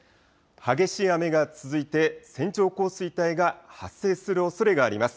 激しい雨が続いて線状降水帯が発生するおそれがあります。